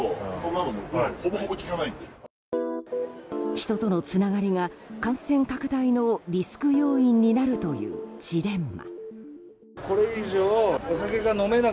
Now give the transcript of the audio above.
人とのつながりが感染拡大のリスク要因になるというジレンマ。